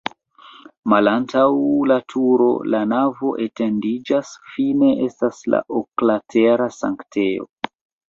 Malantaŭ la turo la navo etendiĝas, fine estas la oklatera sanktejo.